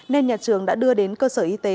nên nhà trường đã đưa đến cơ sở y tế